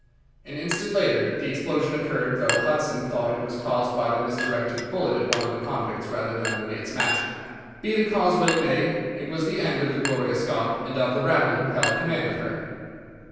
An instant later the explosion occurred, though Hudson thought it was caused by the misdirected bullet of one of the convicts rather than the mate's match. Be the cause what it may, it was the end of the Gloria Scott and of the rabble who held command of her.